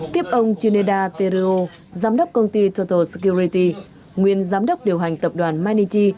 tiếp ông chineda teruo giám đốc công ty total security nguyên giám đốc điều hành tập đoàn manichi